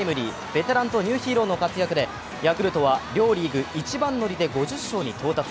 ベテランとニューヒーローの活躍でヤクルトは両リーグ一番乗りで５０勝に到達。